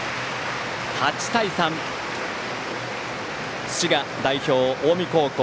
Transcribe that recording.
８対３、滋賀代表・近江高校